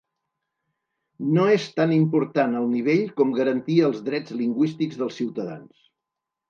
No és tan important el nivell com garantir els drets lingüístics dels ciutadans.